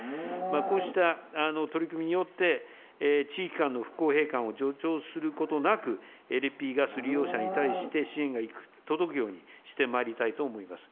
こうした取り組みによって、地域間の不公平感を助長することなく、ＬＰガス利用者に対して支援が行き届くようにしてまいりたいと思います。